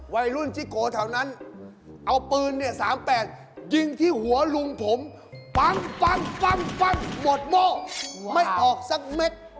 วัยรุ่นชิโกแถวนั้นเอาปืนเนี่ย๓๘ยิงที่หัวลุงผมปั้งฟันหมดโม่ไม่ออกสักเม็ด